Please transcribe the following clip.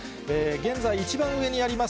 現在、一番上にあります